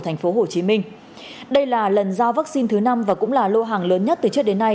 thành phố hồ chí minh đây là lần giao vaccine thứ năm và cũng là lô hàng lớn nhất từ trước đến nay